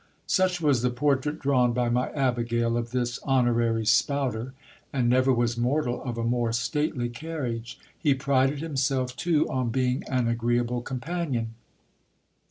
Such was the portrait drawn by my abigail of this honorary spouter ; and never was mortal of a more stately carriage. He prided himself too on being an agreeable companion.